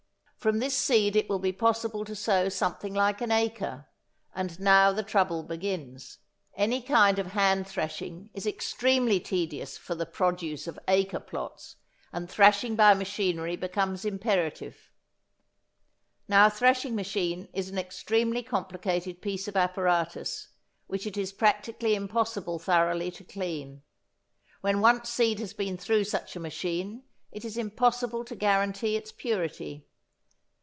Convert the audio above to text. From this seed it will be possible to sow something like an acre; and now the trouble begins. Any kind of hand thrashing is extremely tedious for the produce of acre plots, and thrashing by machinery becomes imperative. Now a thrashing machine is an extremely complicated piece of apparatus, which it is practically impossible thoroughly to clean. When once seed has been through such a machine it is impossible to guarantee its purity.